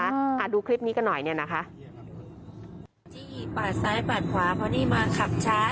อ่าดูคลิปนี้กันหน่อยเนี้ยนะคะที่ปาดซ้ายปาดขวาเพราะนี่มาขับช้า